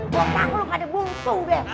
buat aku lo gak ada bungsu deh